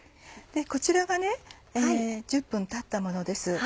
こちらが１０分たったものです。